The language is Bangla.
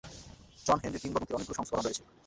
জন হেনরির কিংবদন্তির অনেকগুলো সংস্করণ রয়েছে।